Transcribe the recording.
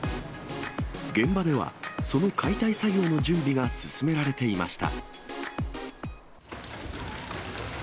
現場では、その解体作業の準備が進められていました。